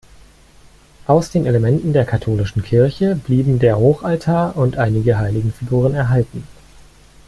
Aus den Elementen der katholischen Kirche blieben der Hochaltar und einige Heiligenfiguren erhalten.